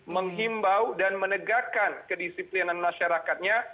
menghimbau dan menegakkan kedisiplinan masyarakatnya